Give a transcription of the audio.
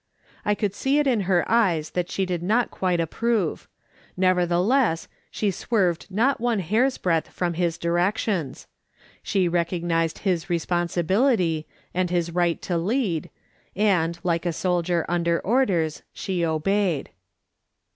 I could see it in her eyes that she did not quite approve ; nevertheless, she swerved not one hair's breadth from his directions ; she recognised his responsibility, and his right to lead, and, like a soldier under orders, she obeyed.